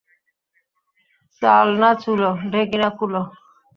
চাল না চুলো, ঢেঁকি না কুলো।